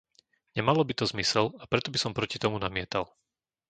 Nemalo by to zmysel, a preto by som proti tomu namietal.